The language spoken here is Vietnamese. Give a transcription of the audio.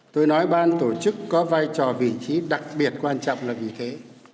tôi nói ban tổ chức có vai trò vị trí đặc biệt quan trọng là vì thế